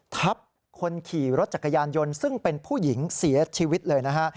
ทับคนขี่รถจักรยานยนต์ซึ่งเป็นผู้หญิงเสียชีวิตเลยนะฮะ